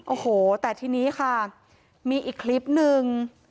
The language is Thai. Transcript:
โอ้โหแต่ทีนี้ค่ะมีอีกคลิปหนึ่ง